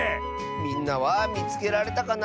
みんなはみつけられたかな？